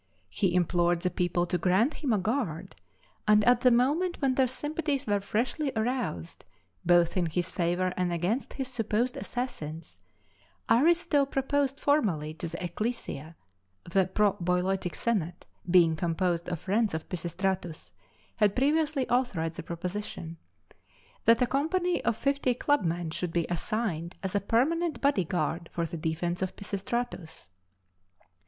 He implored the people to grant him a guard, and at the moment when their sympathies were freshly aroused both in his favor and against his supposed assassins, Aristo proposed formally to the ecclesia (the pro bouleutic senate, being composed of friends of Pisistratus, had previously authorized the proposition) that a company of fifty club men should be assigned as a permanent body guard for the defence of Pisistratus.